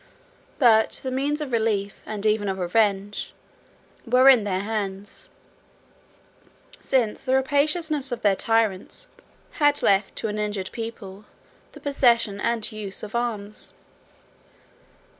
But the means of relief, and even of revenge, were in their hands; since the rapaciousness of their tyrants had left to an injured people the possession and the use of arms.